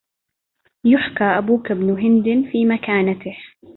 يحكى أبوك ابن هندٍ في مكانته